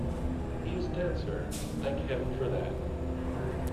'He is dead, sir.' 'Thank heaven for that.'